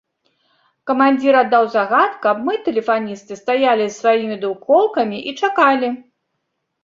Камандзір аддаў загад, каб мы, тэлефаністы, стаялі з сваімі двухколкамі і чакалі.